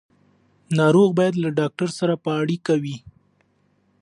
ناروغ باید له ډاکټر سره په اړیکه وي.